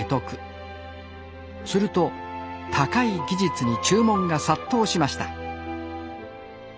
すると高い技術に注文が殺到しました